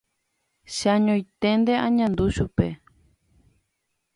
Che añoiténte añandu chupe.